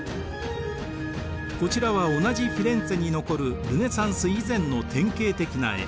こちらは同じフィレンツェに残るルネサンス以前の典型的な絵。